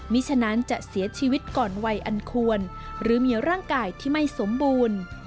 ฉะนั้นจะเสียชีวิตก่อนวัยอันควรหรือมีร่างกายที่ไม่สมบูรณ์